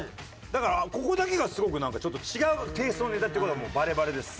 だからここだけがすごくなんかちょっと違うテイストのネタっていう事がもうバレバレです。